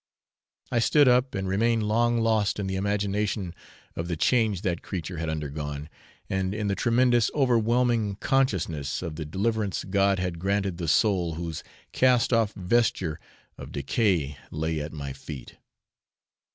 I stood up, and remained long lost in the imagination of the change that creature had undergone, and in the tremendous overwhelming consciousness of the deliverance God had granted the soul whose cast off vesture of decay lay at my feet.